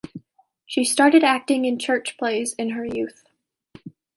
She started acting in church plays in her youth.